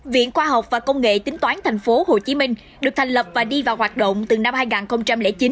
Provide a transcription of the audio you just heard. viện khoa học và công nghệ tính toán tp hcm được thành lập và đi vào hoạt động từ năm hai nghìn chín